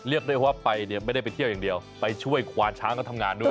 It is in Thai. เรียกได้ว่าไปเนี่ยไม่ได้ไปเที่ยวอย่างเดียวไปช่วยควานช้างเขาทำงานด้วย